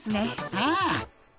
ああ。